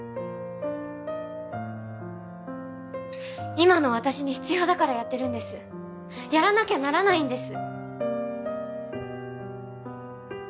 今の私に必要だからやってるんですやらなきゃならないんです